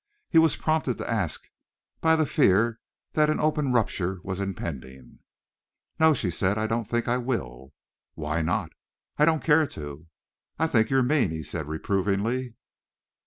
He was prompted to ask by the fear that an open rupture was impending. "No," she said. "I don't think I will." "Why not?" "I don't care to." "I think you're mean," he said reprovingly.